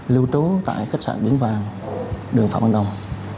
lưu trú tại khách sạn biển vàng đường phạm văn đồng